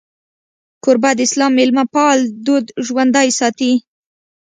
کوربه د اسلام میلمهپال دود ژوندی ساتي.